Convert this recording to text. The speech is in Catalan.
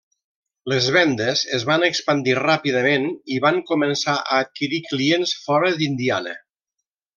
Les vendes es van expandir ràpidament i van començar a adquirir clients fora d'Indiana.